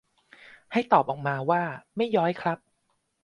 ให้ตอบออกมาว่าแม่ย้อยครับ